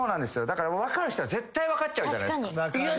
だから分かる人は絶対分かっちゃうじゃないっすか。